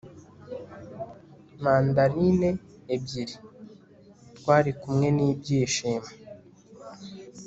mandarine ebyiri - twarikumwe n'ibyishimo